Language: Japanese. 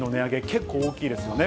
結構、大きいですよね。